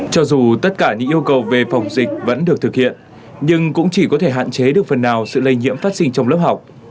cho dù tất cả những yêu cầu về phòng dịch vẫn được thực hiện nhưng cũng chỉ có thể hạn chế được phần nào sự lây nhiễm phát sinh trong lớp học